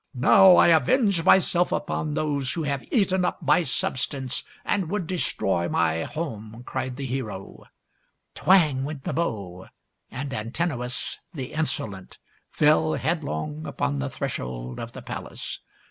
" Now I avenge myself upon those who have eaten up my substance and would destroy my home !" cried the hero. 176 THIRTY MORE FAMOUS STORIES Twang! went the bow; and Antinous, the in solent, fell headlong upon the threshold of the palace.